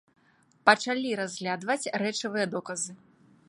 Пачалі разглядаць рэчавыя доказы.